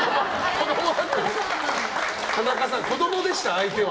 田中さん、子供でした、相手は。